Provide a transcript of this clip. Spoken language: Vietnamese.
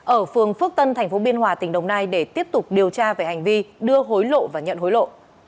ở phường phước tân tp biên hòa tỉnh đồng nai để tiếp tục điều tra về hành vi đưa hối lộ và nhận hối lộ